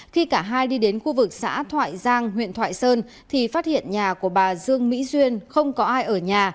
khi cả hai đi đến khu vực xã thoại giang huyện thoại sơn thì phát hiện nhà của bà dương mỹ duyên không có ai ở nhà